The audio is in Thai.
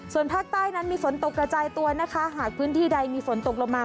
ส่วนภาคใต้นั้นมีฝนตกกระจายตัวนะคะหากพื้นที่ใดมีฝนตกลงมา